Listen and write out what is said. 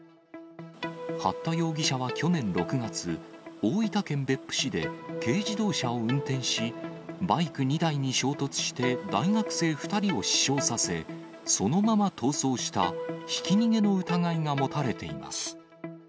八田容疑者は去年６月、大分県別府市で軽自動車を運転し、バイク２台に衝突して、大学生２人を死傷させ、そのまま逃走した、ひき逃げの疑いが持たれています。